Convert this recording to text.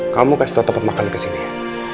kamu kasih tau tempat makan di sini ya